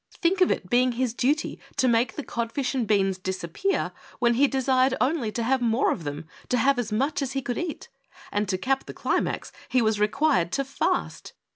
Think of it being his duty to make the codfish and beans disappear when he desired only to have more of them, to have as much as he could eat ! And, to cap the climax, he was required to fast